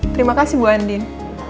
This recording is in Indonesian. terima kasih bu andin